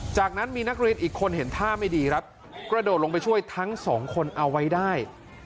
จากนั้นมีนักเรียนอีกคนเห็นท่าไม่ดีครับกระโดดลงไปช่วยทั้งสองคนเอาไว้ได้